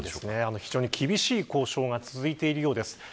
厳しい交渉が続いているようです。